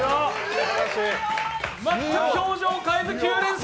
全く表情を変えず９連鎖！